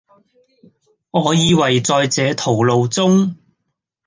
我以爲在這途路中，